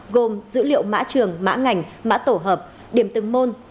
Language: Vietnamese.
gồm dữ liệu mã trường mã ngành mã tổ hợp điểm từng môn